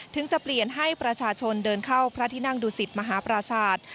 จะเปลี่ยนให้ประชาชนเดินเข้าพระที่นั่งดูสิตมหาปราศาสตร์